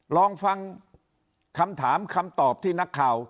ลองฟังคำถามคำตอบที่นักข่าว